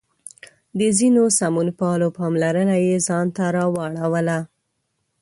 د ځینو سمونپالو پاملرنه یې ځان ته راواړوله.